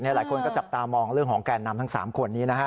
หลายคนก็จับตามองเรื่องของแกนนำทั้ง๓คนนี้นะฮะ